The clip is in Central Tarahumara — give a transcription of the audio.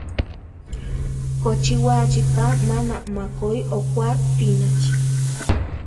Kochiwaachi ta maná makoí okua tinachi?